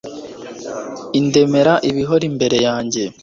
indemera ibihora imbere yanjye